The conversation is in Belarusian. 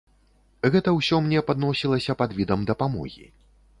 Гэта ўсё мне падносілася пад відам дапамогі.